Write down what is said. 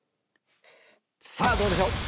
さぁどうでしょう？